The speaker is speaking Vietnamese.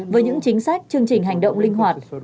với những chính sách chương trình hành động linh hoạt